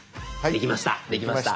できました。